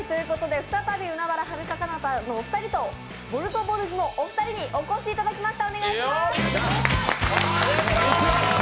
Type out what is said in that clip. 再び海原はるか・かなたのお二人とボルトボルズのお二人にお越しいただきました。